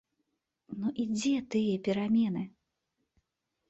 Ну, і дзе тыя перамены?